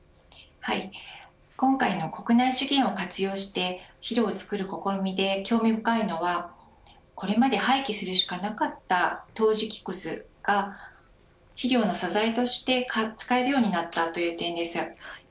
今回の国内資源を活用して肥料を作る試みで興味深いのはこれまで廃棄するしかなかった陶磁器くずが肥料の素材として使えるようになったという点です。